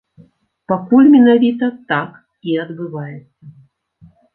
Пакуль менавіта так і адбываецца.